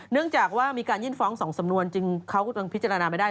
เนื่องจากว่ามีการยื่นฟ้อง๒สำนวนจึงเขาก็ต้องพิจารณาไม่ได้